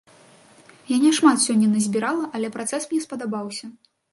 Я не шмат сёння назбірала, але працэс мне спадабаўся.